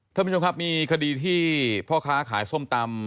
ท่านผู้ชมครับมีคดีที่พ่อค้าขายส้มตำ